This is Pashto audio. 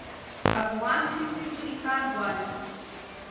افغان ښځې ولې کار غواړي؟